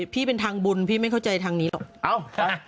พี่เป็นทางบุญพี่ไม่เข้าใจทางนี้หรอก